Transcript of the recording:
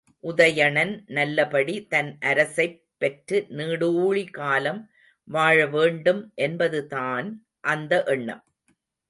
உதயணன் நல்லபடி தன் அரசைப் பெற்று நீடுழி காலம் வாழ வேண்டும் என்பதுதான் அந்த எண்ணம்!